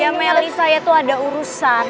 ya melly saya tuh ada urusan